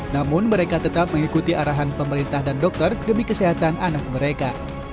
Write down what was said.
namun mereka tetap mengikuti arahan pemerintah dan dokter demi kesehatan anak mereka